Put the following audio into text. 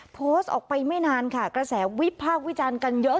โพสต์ออกไปไม่นานค่ะกระแสวิพากษ์วิจารณ์กันเยอะ